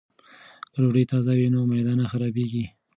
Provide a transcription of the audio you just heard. که ډوډۍ تازه وي نو معده نه خرابیږي.